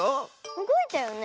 うごいたよね